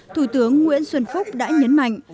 thủ tướng nguyễn xuân phúc đã nhấn mạnh